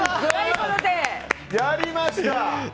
やりました！